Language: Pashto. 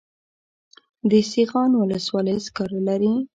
د سیغان ولسوالۍ سکاره لري